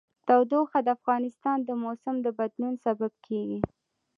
تودوخه د افغانستان د موسم د بدلون سبب کېږي.